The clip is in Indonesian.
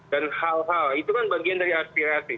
dan hal hal itu kan bagian dari aspirasi